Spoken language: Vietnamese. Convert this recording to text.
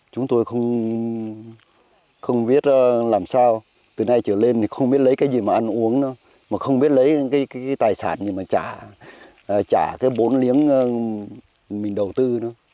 chúng tôi không biết làm sao từ nay trở lên thì không biết lấy cái gì mà ăn uống nữa mà không biết lấy cái tài sản gì mà trả trả cái bốn liếng mình đầu tư nữa